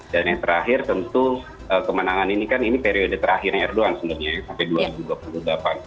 dan yang terakhir tentu kemenangan ini kan ini periode terakhirnya erdogan sebenarnya ya sampai dua ribu dua puluh delapan